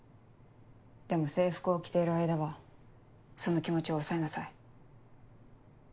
でも制服を着ている間はその気持ちを抑えなさい。